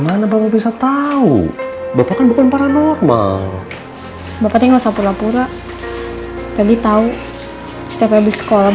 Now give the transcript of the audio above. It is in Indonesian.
tapi kenapa bapak masih kepo